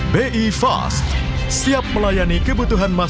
bi fast siap melayani kebutuhan masyarakat